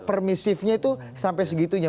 permisifnya itu sampai segitunya